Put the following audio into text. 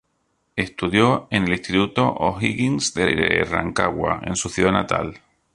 Estudió en el Instituto O'Higgins de Rancagua de su ciudad natal.